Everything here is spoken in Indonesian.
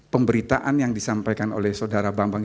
pemberitaan yang disampaikan oleh saudara bambang